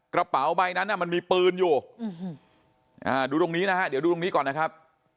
กระเป๋าใบนั้นมันมีปืนอยู่ดูตรงนี้นะฮะเดี๋ยวดูตรงนี้ก่อนนะครับ